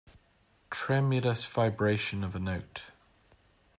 Tremulous vibration of a note.